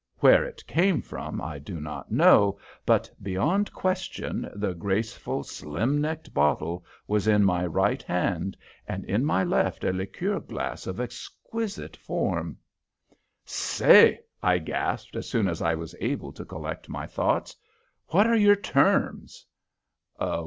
Where it came from I do not know; but, beyond question, the graceful, slim necked bottle was in my right hand, and my left held a liqueur glass of exquisite form. "Say," I gasped, as soon as I was able to collect my thoughts, "what are your terms?"